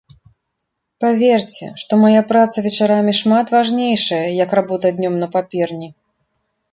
Паверце, што мая праца вечарамі шмат важнейшая, як работа днём на паперні.